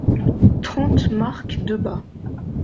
trente marque Debat